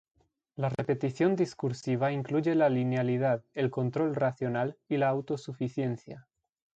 La repetición discursiva incluye la linealidad, el control racional y la autosuficiencia.